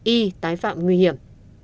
i tái phạm nguy hiểm